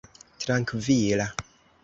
trankvila